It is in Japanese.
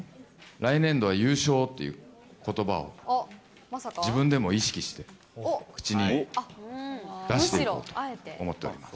来年度は優勝ということばを自分でも意識して口に出していこうと思っております。